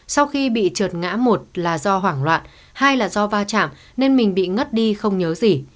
sau khi bị trượt ngã một là do hoảng loạn hai là do va chạm nên mình bị ngất đi không nhớ gì